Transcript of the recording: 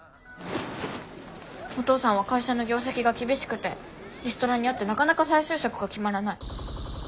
お父さんは会社の業績が厳しくてリストラに遭ってなかなか再就職が決まらない。